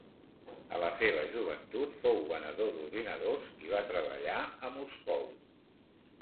A la seva joventut fou venedor d'ordinadors i va treballar a Moscou.